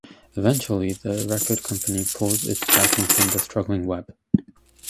Eventually, the record company pulled its backing from the struggling web.